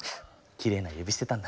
きれいな指してたんだ。